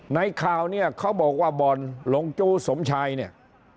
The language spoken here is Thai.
ในข่าวเนี่ยเขาบอกว่าบ่อนหลงจู้สมชายเนี่ย